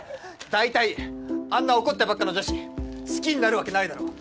大体あんな怒ってばっかの女子好きになるわけないだろ